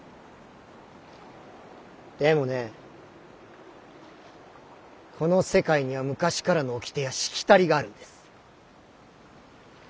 でもねこの世界には昔からのおきてやしきたりがあるんです。